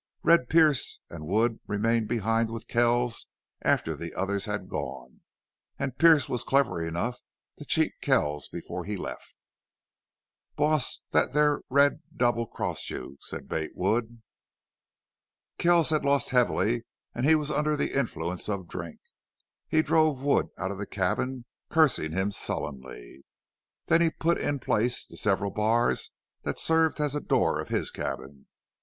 Red Pearce and Wood remained behind with Kells after the others had gone, and Pearce was clever enough to cheat Kells before he left. "Boss thet there Red double crossed you," said Bate Wood. Kells had lost heavily, and he was under the influence of drink. He drove Wood out of the cabin, cursing him sullenly. Then he put in place the several bars that served as a door of his cabin.